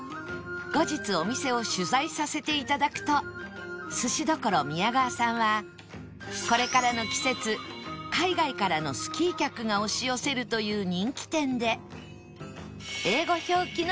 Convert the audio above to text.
後日お店を取材させて頂くとすし処美や川さんはこれからの季節海外からのスキー客が押し寄せるという人気店で